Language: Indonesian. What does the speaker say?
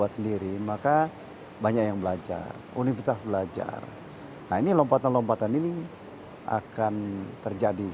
sendiri maka banyak yang belajar universitas belajar nah ini lompatan lompatan ini akan terjadi